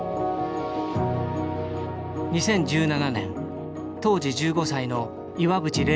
２０１７年当時１５歳の岩渕麗